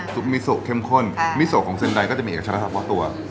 ซุปมิสสกเข้มข้นมิสสกของเซ็นไดก็จะมีกับฉันแล้วครับเพราะว่าตัว